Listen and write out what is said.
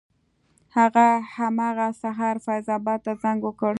هغه همغه سهار فیض اباد ته زنګ وکړ.